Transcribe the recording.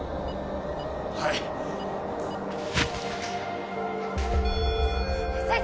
はい先生